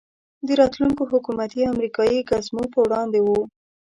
د راتلونکو حکومتي او امریکایي ګزمو په وړاندې وو.